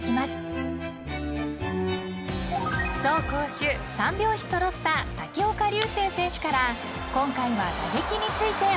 ［走・攻・守３拍子揃った武岡龍世選手から今回は打撃について教わります］